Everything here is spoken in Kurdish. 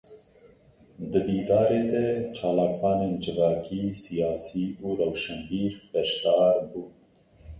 Di dîdarê de çalakvanên civakî, siyasî û rewşenbîr beşdar bûn.